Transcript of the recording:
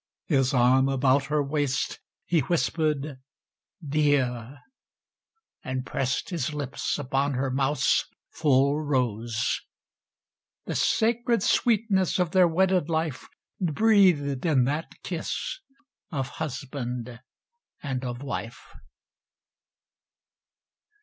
His arm about her waist, he whispered "Dear," And pressed his lips upon her mouth's full rose— The sacred sweetness of their wedded life Breathed in that kiss of husband and of wife.